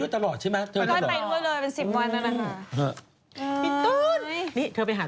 อยากเห็นเหมือนกันนะฮะ